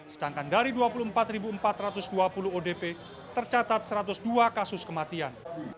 sedangkan dari dua puluh empat empat ratus dua puluh odp tercatat satu ratus dua kasus kematian